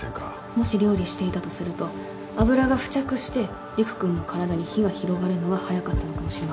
もし料理していたとすると油が付着して理玖君の体に火が広がるのが早かったのかもしれませんね。